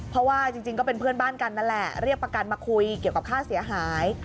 เพราะว่าจริงก็เป็นเพื่อนบ้านกันนั่นแหละเรียกประกันมาคุยเกี่ยวกับค่าเสียหาย